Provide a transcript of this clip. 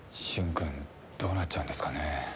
君どうなっちゃうんですかね。